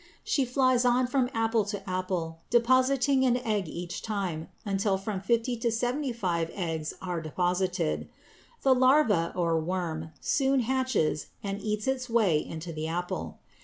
She flies on from apple to apple, depositing an egg each time until from fifty to seventy five eggs are deposited. The larva, or "worm," soon hatches and eats its way into the apple.